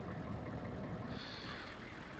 波特曼广场。